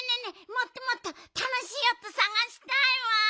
もっともっとたのしいおとさがしたいわ。